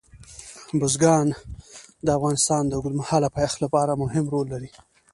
بزګان د افغانستان د اوږدمهاله پایښت لپاره مهم رول لري.